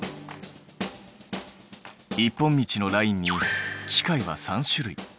一本道のラインに機械は３種類。